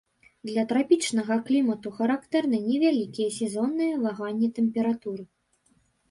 Для трапічнага клімату характэрны невялікія сезонныя ваганні тэмпературы.